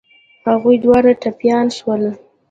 هغوی دواړه ټپيان شول.